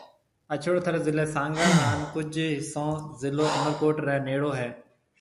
اڇڙو ٿر ضلع سانگھڙ ھان ڪجھ حصو ضلع عمرڪوٽ رَي نيݪو ھيََََ